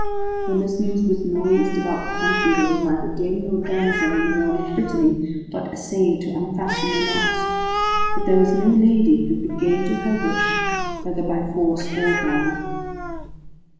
When this news was noised about the country, there was neither dame nor damsel in the realm of Brittany, but essayed to unfasten the knot. But there was no lady who could gain to her wish, whether by force or guile.